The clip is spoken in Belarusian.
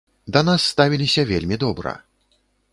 Да нас ставіліся вельмі добра.